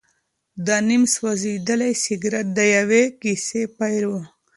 دا نیم سوځېدلی سګرټ د یوې کیسې پیل و.